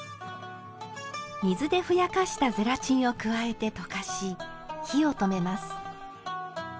水でふやかしたゼラチンを加えて溶かし火を止めます。